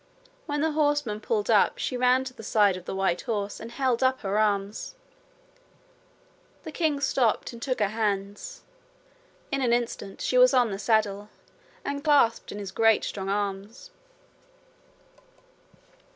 When the horsemen pulled up she ran to the side of the white horse and held up her arms. The king stopped and took her hands. In an instant she was on the saddle and clasped in his great strong arms.